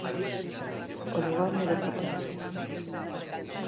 O lugar merece a pena.